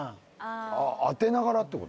あっ当てながらって事？